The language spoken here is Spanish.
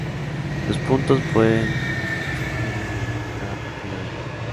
Los puntos pueden se obtienen mediante cada partida del juego.